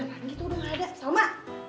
beneran gitu udah gak ada salma